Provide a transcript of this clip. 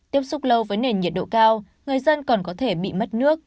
tiếp xúc lâu với nền nhiệt độ cao người dân còn có thể bị mất nước